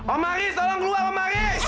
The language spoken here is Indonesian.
omaris tolong keluar omaris